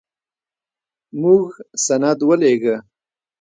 موږ سند ولېږه.